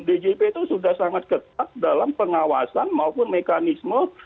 djp itu sudah sangat ketat dalam pengawasan maupun mekanisme